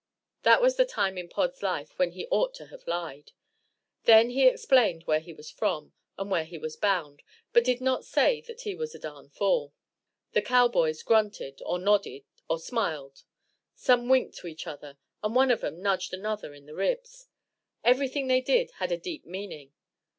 That was the time in Pod's life when he ought to have lied. Then he explained where he was from, and where he was bound, but did not say that he was a darn fool. The cowboys grunted, or nodded, or smiled, some winked to each other, and one of 'em nudged another in the ribs; everything they did had a deep meaning.